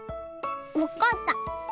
わかった。